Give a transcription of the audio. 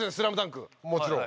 もちろん。